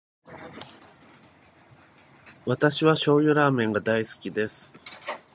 私は醤油ラーメンが大好きです。